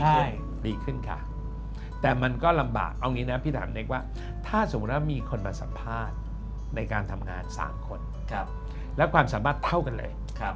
ใช่ดีขึ้นค่ะแต่มันก็ลำบากเอางี้นะพี่ถามเนกว่าถ้าสมมุติว่ามีคนมาสัมภาษณ์ในการทำงาน๓คนและความสามารถเท่ากันเลย